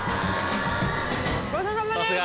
ごちそうさまです。